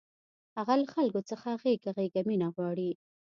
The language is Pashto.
هغه له خلکو څخه غېږه غېږه مینه غواړي